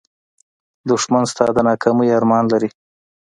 دښمن ستا د ناکامۍ ارمان لري